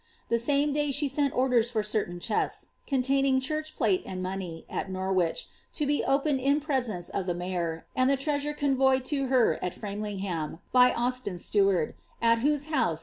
The same day ah* •rat orders for certain chests, conlaining church plate and money, u Korwidi, lo be opened in presence of the mayor, and ihe treumre entf voyed to her at Framlingham, by Austin Steward, at whose house i!